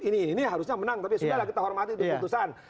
ini harusnya menang tapi sudah kita hormati keputusan